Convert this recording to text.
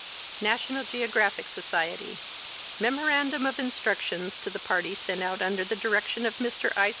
NATIONAL GEOGRAPHIC SOCIETY. Memorandum of Instructions to the Party sent out under the Direction of Mr. I.